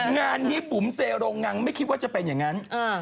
งานนี้บุ๋มเซโรงงังไม่คิดว่าจะเป็นอย่างนั้น